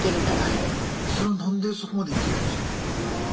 それは何でそこまで言い切れるんすか？